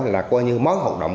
là coi như mối hợp động